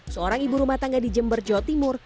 seorang ibu rumah tangga di jember jawa timur